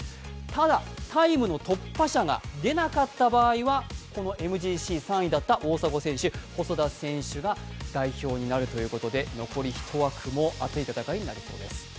ただ、タイムの突破者が出なかった場合はこのＭＧＣ３位だった大迫選手、細田選手が代表になるということで残り１枠も熱い戦いになりそうです。